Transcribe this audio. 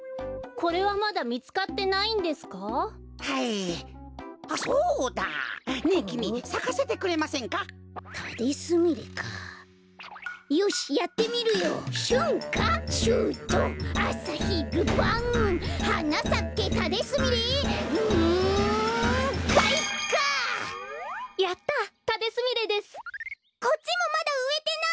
こっちもまだうえてないよ。